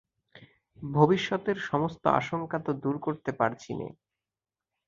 ভবিষ্যতের সমস্ত আশঙ্কা তো দূর করতে পারছি নে।